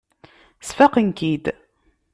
Sfaqen-k-id.